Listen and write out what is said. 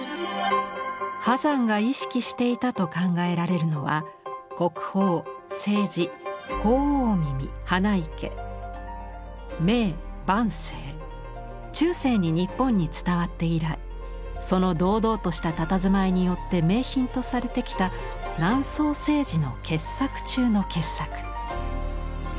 波山が意識していたと考えられるのは中世に日本に伝わって以来その堂々としたたたずまいによって名品とされてきた南宋青磁の傑作中の傑作。